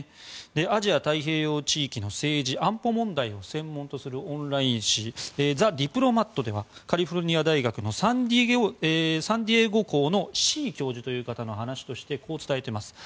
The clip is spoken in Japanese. アジア太平洋地域の政治安保問題を専門とするオンライン誌「ザ・ディプロマット」ではカリフォルニア大学のサンディエゴ校のシー教授という方の話としてこう伝えています。